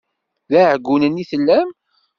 D iɛeggunen i tellam?